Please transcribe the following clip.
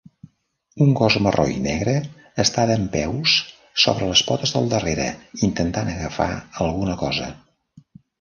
Un gos marró i negre està dempeus sobre les potes del darrera intentant agafar alguna cosa.